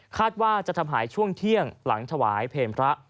ว่าจะทำหายช่วงเที่ยงหลังถวายเพลงพระ